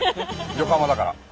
横浜だから。